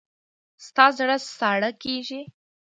ستا زړه ساړه کېږي.